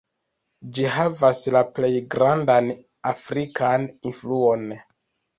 Ĝi havas la plej grandan afrikan influon.